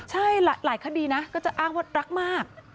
ใช่หลายคดีนะก็จะอ้างว่ารักมาก